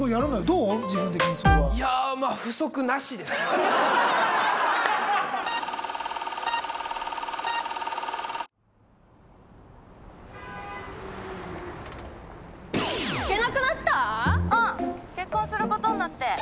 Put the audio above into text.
うん結婚することになって。